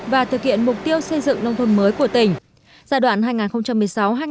và thực hiện mục tiêu xây dựng nông thôn mới của tỉnh